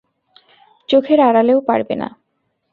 চোখের আড়ালেও পারবে না।